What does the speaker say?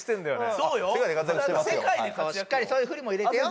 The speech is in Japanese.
そうしっかりそういう振りも入れてよ